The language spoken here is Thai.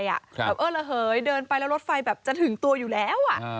แบบเออระเหยเดินไปแล้วรถไฟแบบจะถึงตัวอยู่แล้ว